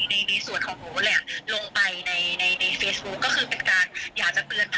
ที่โพสต์ก็คือเพื่อต้องการจะเตือนเพื่อนผู้หญิงในเฟซบุ๊คเท่านั้นค่ะ